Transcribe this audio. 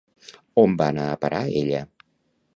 On va anar a parar ella?